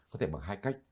có thể bằng hai cách